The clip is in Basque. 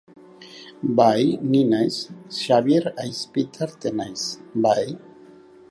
Ordezko motorrak, protagonismoa herritarren esku utzita.